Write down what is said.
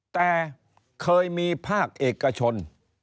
แต่เคยมีภาคเอกชน